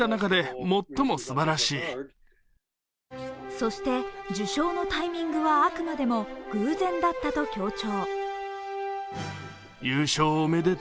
そして、受賞のタイミングはあくまでも偶然だったと強調。